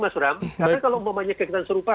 mas ram karena kalau memanjakan serupa